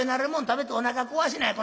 食べておなか壊しなや。